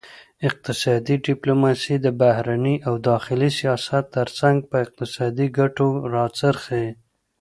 اقتصادي ډیپلوماسي د بهرني او داخلي سیاست ترڅنګ په اقتصادي ګټو راڅرخي